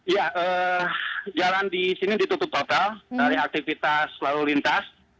ya jalan di sini ditutup total dari aktivitas lalu lintas